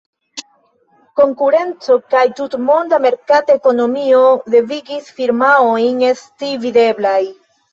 Konkurenco kaj tutmonda merkata ekonomio devigis firmaojn esti videblaj.